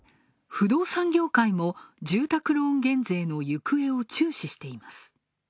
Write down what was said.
不動産業界も住宅ローン減税の行方を注視しています。